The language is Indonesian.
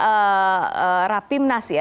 yang muncul selama rapimnas ya